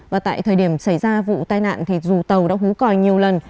và tại thời điểm xảy ra vụ tai nạn thì dù tàu đã hú còi nhiều lần